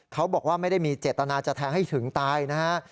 เขาบอกว่าไม่ได้มีเจตนาจะแทงให้ถึงตายนะฮะ